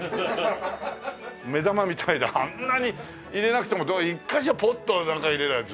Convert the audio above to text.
目玉みたいであんなに入れなくても１カ所ポッとなんか入れれば。